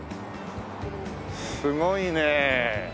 すごいね。